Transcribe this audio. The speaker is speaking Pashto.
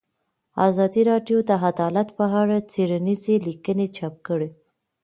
ازادي راډیو د عدالت په اړه څېړنیزې لیکنې چاپ کړي.